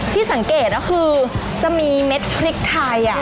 ที่สังเกตก็คือจะมีเม็ดพริกไทย